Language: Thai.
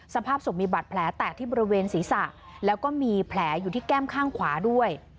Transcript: สภาพศพมีบัตรแผลแตกที่บริเวณศีรษะแล้วก็มีแผลอยู่ที่แก้มข้างขวาด้วย